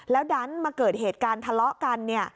แล้วดันมาเกิดเหตุการณ์ทะเลาะกันเนี่ย